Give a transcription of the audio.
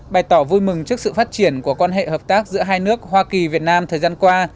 bày tỏ vui mừng trước sự phát triển của quan hệ hợp tác giữa hai nước hoa kỳ việt nam thời gian qua